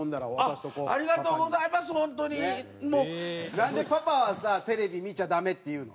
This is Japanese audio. なんでパパはさ「テレビ見ちゃダメ」って言うの？